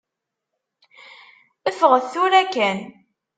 Ffɣet tura kan.